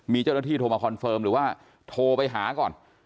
มีเจ้าหน้าที่โทรมาคอนเฟิร์มหรือว่าโทรไปหาก่อน